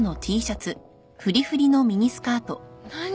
何？